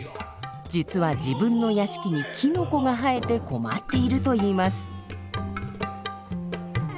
実は自分の屋敷にキノコが生えて困っているといいます。